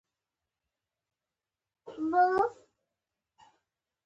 ټیکنالوژي او روبوټکس